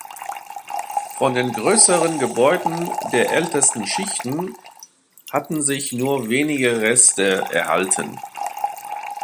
Von den größeren Gebäuden der ältesten Schichten hatten sich nur wenige Reste erhalten.